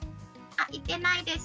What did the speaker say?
あ行ってないです。